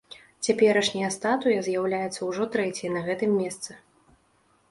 Цяперашняя статуя з'яўляецца ўжо трэцяй на гэтым месцы.